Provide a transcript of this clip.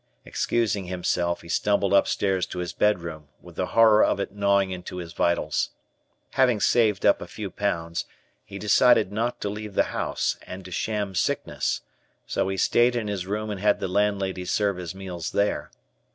Excusing himself, he stumbled upstairs to his bedroom, with the horror of it gnawing into his vitals. Having saved up a few pounds, he decided not to leave the house, and to sham sickness, so he stayed in his room and had the landlady serve his meals there.